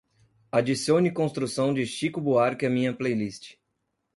Adicione Construção de Chico Buarque à minha playlist